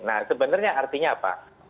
nah sebenarnya artinya apa